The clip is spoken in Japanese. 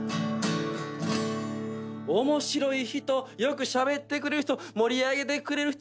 「面白い人よくしゃべってくれる人」「盛り上げてくれる人